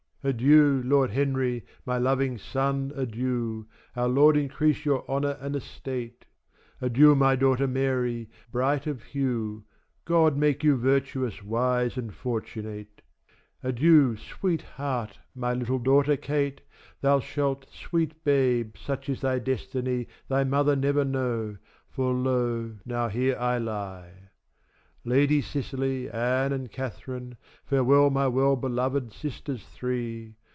Adieu Lord Henry, my loving son adieu,13 Our Lord increase your honour and estate. Adieu my daughter Mary, bright of hue,14 God make you virtuous, wise and fortunate. Adieu sweet heart, my little daughter Kate,15 Thou shalt, sweet babe, such is thy destiny, Thy mother never know, for lo now here I lie. Lady Cicyly, Anne, and Catharine, Farewell my well beloved sisters three.